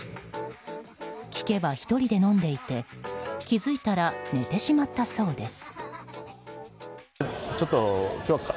聞けば、１人で飲んでいて気づいたら寝てしまったそうです。